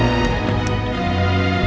gak ada apa apa